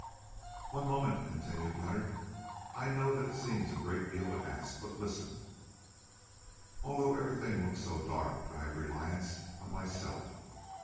"One moment," continued Leonard. "I know that it seems a great deal to ask, but listen. Although everything looks so dark, I have reliance on myself.